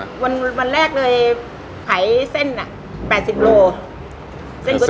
วันแรกเลยขายเส้น